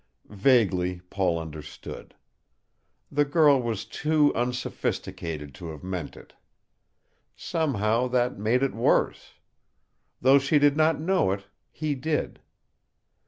Vaguely Paul understood. The girl was too unsophisticated to have meant it. Somehow that made it worse. Though she did not know it, he did.